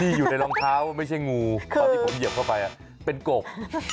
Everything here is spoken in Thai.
อยู่ในรองเท้าไม่ใช่งูตอนที่ผมเหยียบเข้าไปเป็นกบ